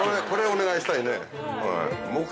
これお願いしたいね。